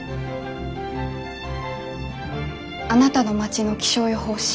「あなたの町の気象予報士